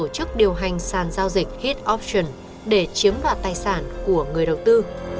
chức điều hành sàn giao dịch hit option để chiếm đoạt tài sản của người đầu tư